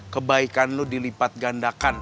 kebaikan lu dilipat gandakan